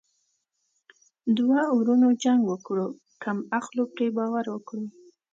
دوه ورونو جنګ وکړو کم عقلو پري باور وکړو.